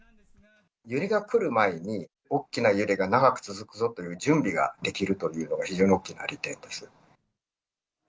揺れが来る前に、大きな揺れが長く続くぞという準備ができるというのが、非常に大きな利点です。